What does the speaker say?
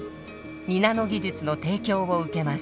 ２ナノ技術の提供を受けます。